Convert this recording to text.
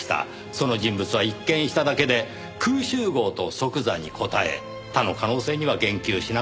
その人物は一見しただけで空集合と即座に答え他の可能性には言及しなかった。